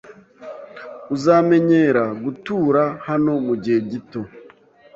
Uzamenyera gutura hano mugihe gito.